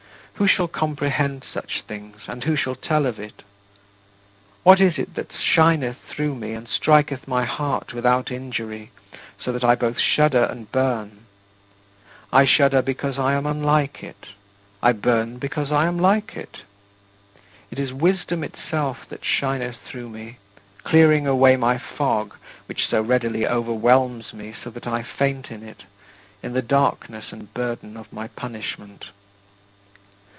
Who shall comprehend such things and who shall tell of it? What is it that shineth through me and striketh my heart without injury, so that I both shudder and burn? I shudder because I am unlike it; I burn because I am like it. It is Wisdom itself that shineth through me, clearing away my fog, which so readily overwhelms me so that I faint in it, in the darkness and burden of my punishment.